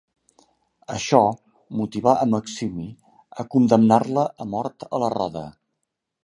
Això motivà a Maximí a condemnar-la a mort a la roda.